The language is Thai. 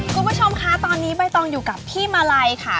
คุณผู้ชมคะตอนนี้ใบตองอยู่กับพี่มาลัยค่ะ